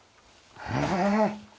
へえ！